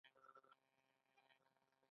د کور کار کې مرسته وکړئ